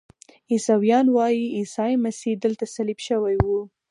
عیسویان وایي عیسی مسیح دلته صلیب شوی و.